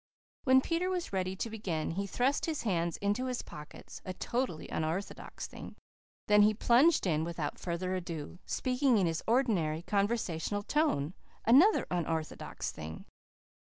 When Peter was ready to begin he thrust his hands into his pockets a totally unorthodox thing. Then he plunged in without further ado, speaking in his ordinary conversational tone another unorthodox thing.